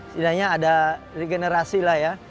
setidaknya ada regenerasi lah ya